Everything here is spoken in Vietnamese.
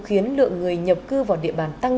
khiến lượng người nhập cư vào địa bàn tăng